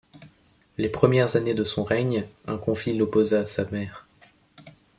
Les premières années de son règne, un conflit l'opposa à sa mère.